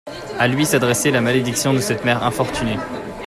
À lui s'adressait la malédiction de cette mère infortunée.